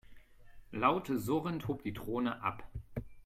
Laut surrend hob die Drohne ab.